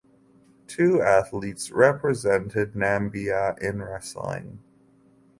Two athletes represented Namibia in wrestling.